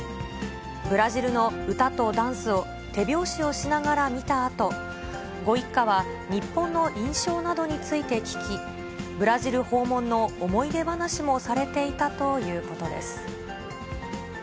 ブラジルの歌とダンスを、手拍子をしながら見たあと、ご一家は日本の印象などについて聞き、ブラジル訪問の思い出話もされていたということです。